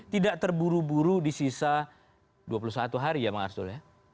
tidak terburu buru di sisa dua puluh satu hari ya bang arsul ya